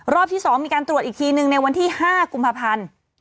รอบที่๒มีการตรวจอีกทีหนึ่งในวันที่๕กุมภาพันธ์